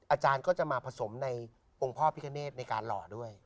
อาจารย์ก็จะมาผสมในองค์พ่อพิกเนธในการหล่อด้วย